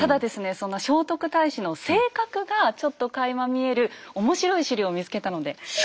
そんな聖徳太子の性格がちょっとかいま見える面白い史料を見つけたのでご紹介いたします。